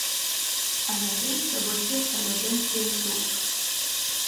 Allerdings sabotiert ein Agent den Zug.